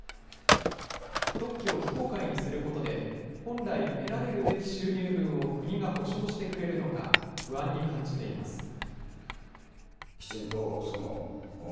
特許を非公開にすることで、本来、得られるべき収入分を国が補償してくれるのか、不安に感じています。